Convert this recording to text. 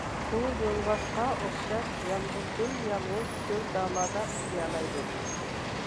ئۇ يولۋاسقا ئوخشاش يالغۇزدىن-يالغۇز چۆل-دالادا ئۇخلىيالايدۇ.